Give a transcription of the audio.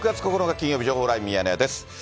金曜日、情報ライブミヤネ屋です。